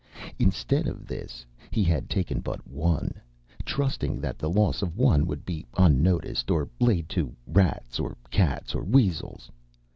Instead of this he had taken but one, trusting that the loss of one would be unnoticed or laid to rats or cats or weasels.